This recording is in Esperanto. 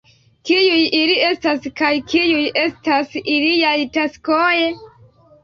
Kiuj ili estas, kaj kiuj estas iliaj taskoj?